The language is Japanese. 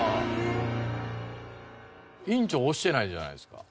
委員長押してないじゃないですか。